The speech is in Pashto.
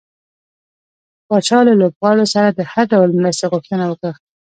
پاچا له لوبغاړو سره د هر ډول مرستې غوښتنه وکړه .